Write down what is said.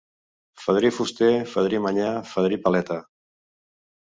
Fadrí fuster, fadrí manyà, fadrí paleta.